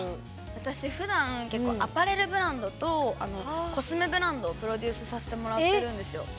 私はふだんアパレルブランドとコスメブランドをプロデュースさせてもらってるんですよ。